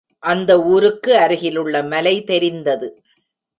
அந்த ஊருக்கு அருகிலுள்ள மலை தெரிந்தது.